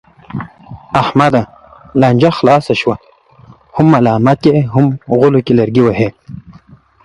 احمده! لانجه خلاصه شوه، هم ملامت یې هم غولو کې لرګی وهې.